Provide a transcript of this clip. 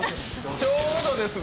ちょうどですね。